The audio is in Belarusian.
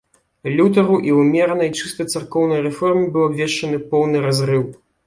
Лютэру і ўмеранай, чыста царкоўнай рэформе быў абвешчаны поўны разрыў.